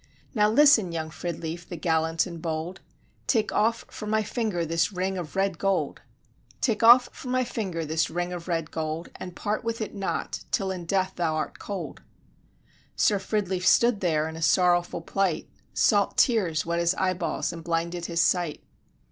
"Now listen, young Fridleif, the gallant and bold, Take off from my finger this ring of red gold, Take off from my finger this ring of red gold, And part with it not, till in death thou art cold." Sir Fridleif stood there in a sorrowful plight, Salt tears wet his eyeballs, and blinded his sight.